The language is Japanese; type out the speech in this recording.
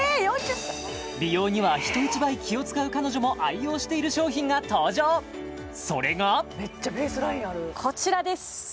美容には人一倍気を使う彼女も愛用している商品が登場それがこちらです！